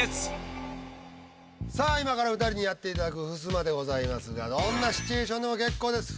さあ今から２人にやっていただく「ふすま」でございますがどんなシチュエーションでも結構です。